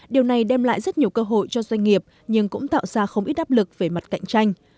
điều này đem lại rất nhiều cơ hội cho doanh nghiệp nhưng cũng tạo ra không ít đáp lực về mặt cạnh tranh